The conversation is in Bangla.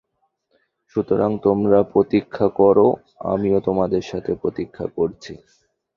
সুতরাং তোমরা প্রতীক্ষা কর, আমিও তোমাদের সাথে প্রতীক্ষা করছি।